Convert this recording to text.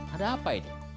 ada apa ini